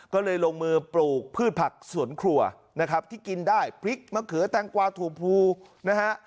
ก็เลยลงมือปลูกพืชผักสวนครัวนะครับที่กินได้พริกมะเขือแตงกวาถูพูนะฮะ